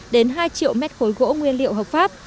đến hai triệu mét khối gỗ nguyên liệu hợp pháp